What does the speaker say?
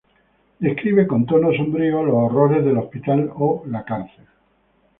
Describe con tono sombrío los horrores del hospital o la cárcel.